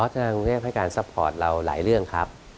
อ๋อจะเรียกให้การซัพพอร์ตเราหลายเรื่องครับ